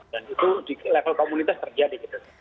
dan itu di level komunitas terjadi